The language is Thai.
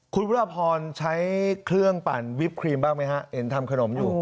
คุณพระพรใช้เครื่องปั่นวิปครีมบ้างไหมฮะเห็นทำขนมอยู่